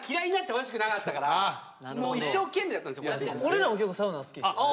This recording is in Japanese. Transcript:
俺らも結構サウナ好きですね。